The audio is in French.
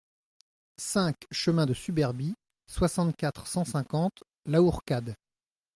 cinq chemin de Suberbie, soixante-quatre, cent cinquante, Lahourcade